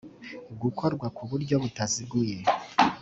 gukorwa ku buryo butaziguye